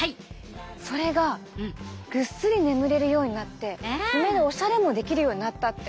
それがぐっすり眠れるようになって爪でオシャレもできるようになったって。